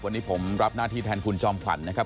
วันนี้ผมรับหน้าที่แทนคุณจอมขวัญนะครับ